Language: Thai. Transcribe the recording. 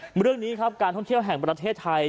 เรื่องนี้ครับการท่องเที่ยวแห่งประเทศไทย